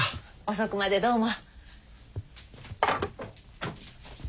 遅くまでどうも。